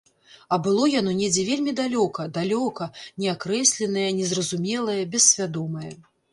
А было яно недзе вельмі далёка, далёка, неакрэсленае, незразумелае, бессвядомае.